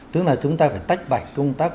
tức là chúng ta phải tách bạch công tác